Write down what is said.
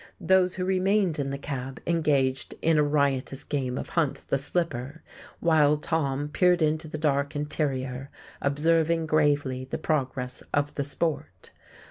Those who remained in the cab engaged in a riotous game of hunt the slipper, while Tom peered into the dark interior, observing gravely the progress of the sport.